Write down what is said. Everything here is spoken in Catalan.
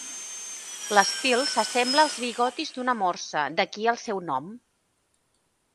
L'estil s'assembla als bigotis d'una morsa, d'aquí el seu nom.